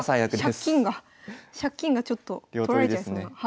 飛車金が飛車金がちょっと取られちゃいそうな。